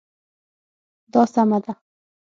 دا سمه ده